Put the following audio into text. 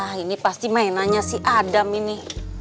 ah ini pasti mainannya si adam ini